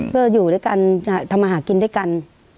ก็อยู่ด้วยกันทำอาหารกินด้วยกัน